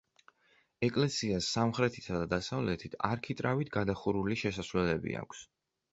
ეკლესიას სამხრეთითა და დასავლეთით არქიტრავით გადახურული შესასვლელები აქვს.